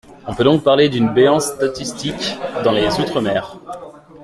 On peut donc parler d’une béance statistique dans les outre-mer.